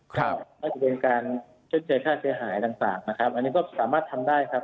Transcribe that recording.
ก็จะเป็นการชดเชยค่าเสียหายต่างนะครับอันนี้ก็สามารถทำได้ครับ